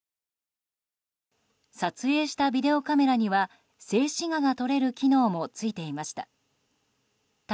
撮影したビデオカメラには静止画が撮れる機能も付いていました。